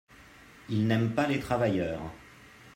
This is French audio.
Ils n’aiment pas les travailleurs.